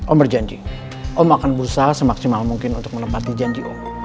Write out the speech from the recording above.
om berjanji om akan berusaha semaksimal mungkin untuk menempati janji om